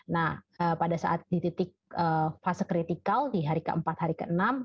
nah pada saat di titik fase kritikal di hari keempat hari ke enam